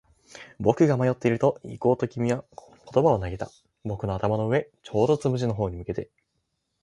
僕が迷っていると、行こうと君は言葉を投げた。僕の頭の上、ちょうどつむじの方に向けて。